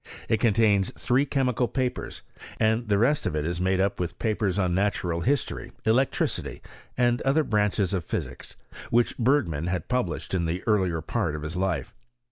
It contains three chemical papers, and the rest of it is made up with papers on natural history, electricity, and other branches of physics, which Bergman had published in the earlier part of his life.